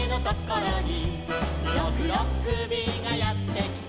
「ろくろっくびがやってきた」